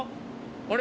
あれ？